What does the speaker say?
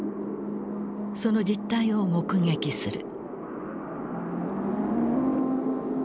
その実態を目撃する。